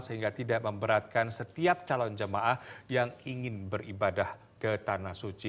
sehingga tidak memberatkan setiap calon jemaah yang ingin beribadah ke tanah suci